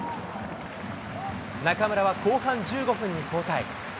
中村は後半１５分に交代。